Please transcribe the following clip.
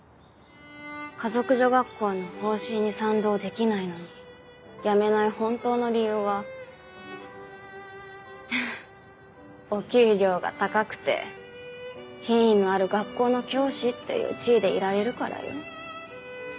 華族女学校の方針に賛同できないのに辞めない本当の理由はお給料が高くて品位のある学校の教師っていう地位でいられるからよ。